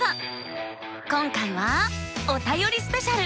今回は「おたよりスペシャル」。